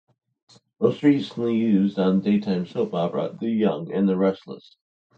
Most recently used on daytime soap opera "The Young and the Restless".